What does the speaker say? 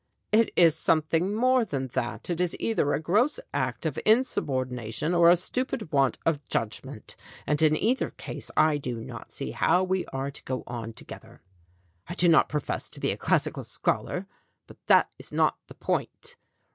"It is something more than that. It is either a gross act of insubordination or a stupid want of judg ment, and in either case I do not see how we are to go on together. I do not profess to be a classical scholar, but that is not the point.